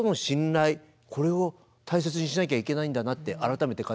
これを大切にしなきゃいけないんだなって改めて感じました。